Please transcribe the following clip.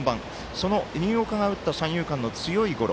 その新岡が打った三遊間の強いゴロ。